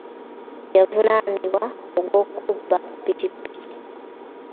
Yavunaanibwa ogw'okubba ppikippiki.